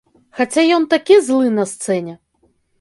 Хаця ён такі злы на сцэне.